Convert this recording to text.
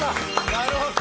なるほど！